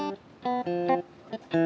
aduh aku bisa